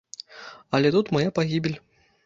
Але тут мая пагібель.